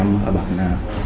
đồng gọi các bạn